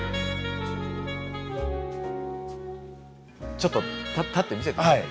ちょっと立って見せてください。